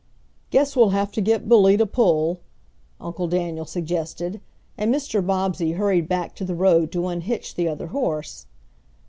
"Guess we'll have to get Billy to pull," Uncle Daniel suggested, and Mr. Bobbsey hurried back to the road to unhitch the other horse.